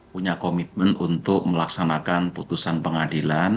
punya komitmen untuk melaksanakan putusan pengadilan